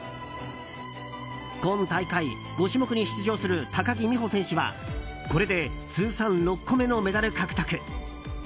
今大会、５種目に出場する高木美帆選手はこれで通算６個目のメダル獲得。